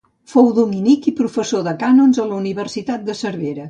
Fou dominic i professor de cànons a la Universitat de Cervera.